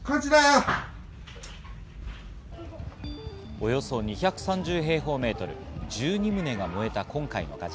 およそ２３０平方メートル、１２棟が燃えた今回の火事。